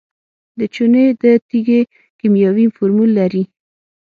د چونې د تیږې کیمیاوي فورمول لري.